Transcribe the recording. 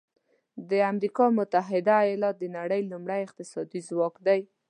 د امریکا متحده ایالات د نړۍ لومړی اقتصادي ځواک دی.